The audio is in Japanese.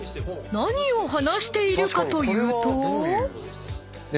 ［何を話しているかというと］